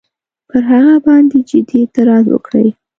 پر هغه باندي جدي اعتراض وکړي.